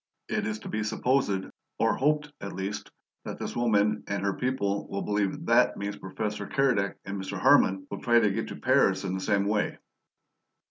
It is to be supposed or hoped, at least that this woman and her people will believe THAT means Professor Keredec and Mr. Harman will try to get to Paris in the same way."